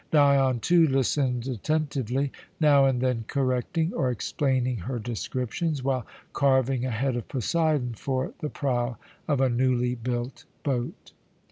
Dion, too, listened attentively, now and then correcting or explaining her descriptions, while carving a head of Poseidon for the prow of a newly built boat.